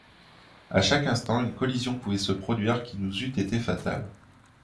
À chaque instant une collision pouvait se produire, qui nous eût été fatale.